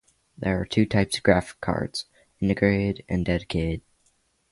There are two types of graphics cards: integrated and dedicated.